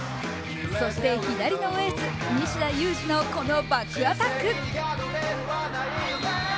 そして左のエース、西田有志のこのバックアタック。